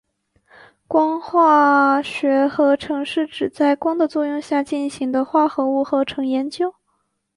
光化学合成是指在光的作用下进行的化合物合成研究。